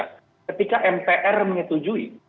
ketika mpr menyetujui